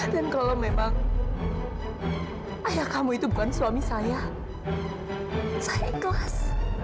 dan kalau memang ayah kamu itu bukan suami saya saya ikhlas